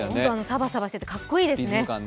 サバサバしてて、かっこいいですね。